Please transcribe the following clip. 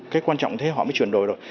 cái quan trọng thế họ mới truyền đổi rồi